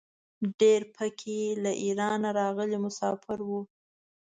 ډېر په کې له ایران نه راغلي مساپر وو.